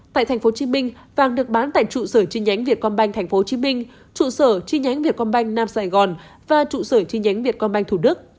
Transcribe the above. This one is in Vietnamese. tại tp hcm vàng được bán tại trụ sở chi nhánh vietcombank tp hcm trụ sở chi nhánh vietcombank nam sài gòn và trụ sở chi nhánh vietcombank thủ đức